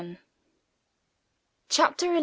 CHAPTER XI.